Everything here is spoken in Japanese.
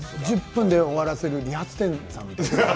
１０分で終わらせる理髪店さんみたい。